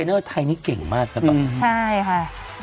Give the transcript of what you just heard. แต่ลุเวอร์ดิสเซนเนอร์ไทยนี้เก่งมากนะเปล่าใช่ค่ะ